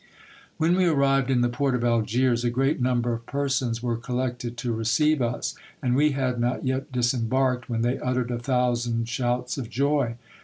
When we arrived in the port of Algiers, .1 great number of persons were collected to receive us ; and we had not yet disembarked, when they uttered a thousand shouts of joy.